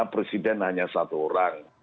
presiden hanya satu orang